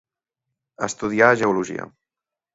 Estudià geologia.